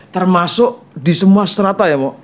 termasuk di semua strata ya